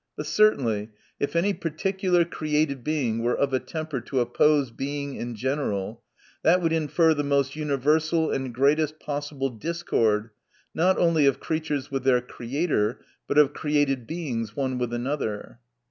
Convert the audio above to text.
But certainly if any particular created Being were of a temper to oppose Being in general, that would infer the most universal and great est possible discord, not only of creatures with their Creator, but of created Beings one with another.